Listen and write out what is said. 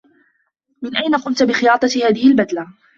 من أين قمت بخياطة هذه البدلة؟